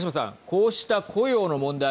こうした雇用の問題